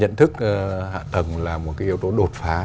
nhận thức hạ tầng là một cái yếu tố đột phá